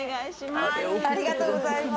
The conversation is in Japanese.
ありがとうございます。